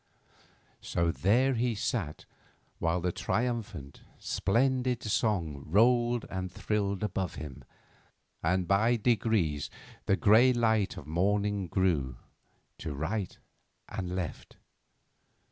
So there he sat while the triumphant, splendid song rolled and thrilled above him, and by degrees the grey light of morning grew to right and left.